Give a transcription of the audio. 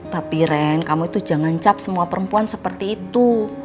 bapiren kamu itu jangan cap semua perempuan seperti itu